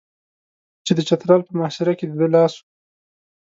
چې د چترال په محاصره کې د ده لاس و.